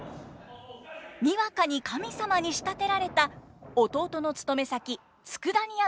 にわかに神様に仕立てられた弟の勤め先佃煮屋の主人。